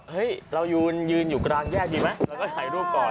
เรายืนอยู่กลางแยกดีไหมเราก็ถ่ายรูปก่อน